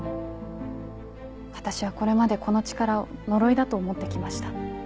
私はこれまでこの力を呪いだと思って来ました。